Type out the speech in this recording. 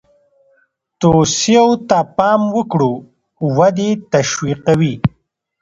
توصیو ته پام وکړو ودې تشویقوي.